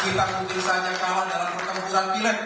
kita mungkin saja kalah dalam pertempuran dilek